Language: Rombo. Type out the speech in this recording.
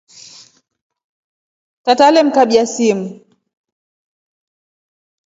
Tata alemkabya simu.